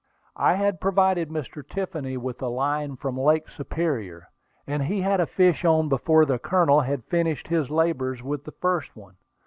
I had provided Mr. Tiffany with a line from Lake Superior, and he had a fish on before the Colonel had finished his labors with the first one.